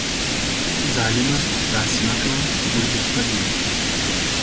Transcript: ظالمه داسي مه کوه ، موږ دي خپل یو